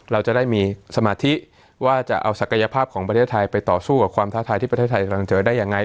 เราจะได้มีสมาธิว่าจะเอาศักยภาพของประเทศไทยไปต่อสู้กับความท้าทายที่ประเทศไทยกำลังเจอได้ยังไง